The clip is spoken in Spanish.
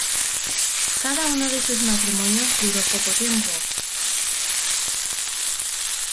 Cada uno de sus matrimonios duró poco tiempo.